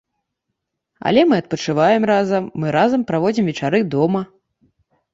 Але мы адпачываем разам, мы разам праводзім вечары дома.